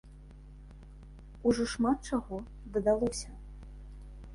Ужо шмат чаго дадалося.